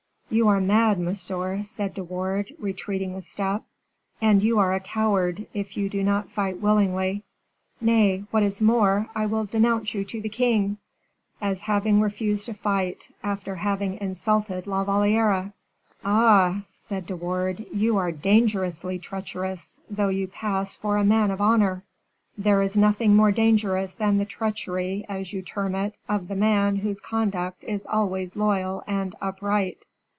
"You are mad, monsieur," said De Wardes, retreating a step. "And you are a coward, if you do not fight willingly. Nay, what is more, I will denounce you to the king, as having refused to fight, after having insulted La Valliere." "Ah!" said De Wardes, "you are dangerously treacherous, though you pass for a man of honor." "There is nothing more dangerous than the treachery, as you term it, of the man whose conduct is always loyal and upright."